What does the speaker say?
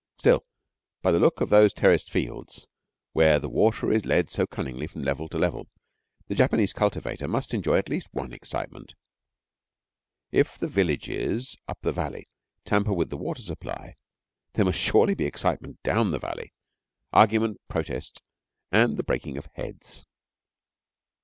Still, by the look of those terraced fields, where the water is led so cunningly from level to level, the Japanese cultivator must enjoy at least one excitement. If the villages up the valley tamper with the water supply, there must surely be excitement down the valley argument, protest, and the breaking of heads.